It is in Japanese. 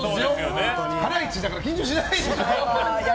ハライチだから緊張しないでしょ？